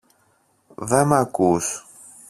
Δε μ’ ακούς